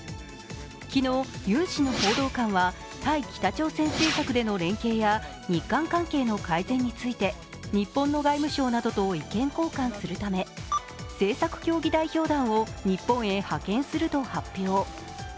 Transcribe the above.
昨日、ユン氏の報道官は対北朝鮮政策での連携や日韓関係の改善について日本の外務省などと意見交換するため、政策協議代表団を日本へ派遣すると発表。